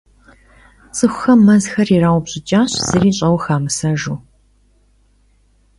Ts'ıxuxem mezxer yirauşşts'ıç'aş, zıri ş'eue xamısejju.